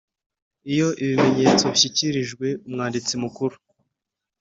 Iyo ibimenyetso bishyikirijwe Umwanditsi Mukuru